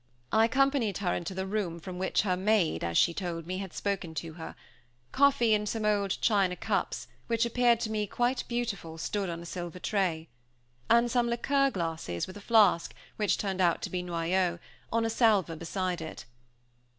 I accompanied her into the room from which her maid, as she told me, had spoken to her. Coffee and some old china cups, which appeared to me quite beautiful, stood on a silver tray; and some liqueur glasses, with a flask, which turned out to be noyau, on a salver beside it.